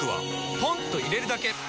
ポンと入れるだけ！